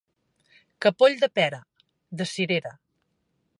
Capoll de pera, de cirera.